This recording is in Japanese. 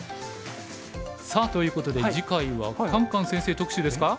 さあということで次回はカンカン先生特集ですか。